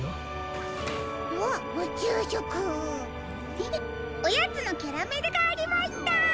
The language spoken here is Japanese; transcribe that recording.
フフおやつのキャラメルがありました！